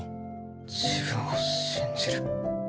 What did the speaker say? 自分を信じる？